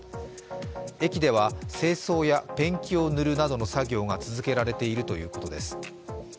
駅では清掃やペンキを塗るなどの作業が続けられているということです。